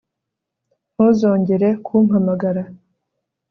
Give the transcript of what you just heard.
ntuzongere kumpamagara